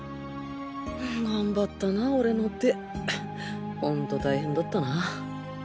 頑張ったな俺の手ほんと大変だったな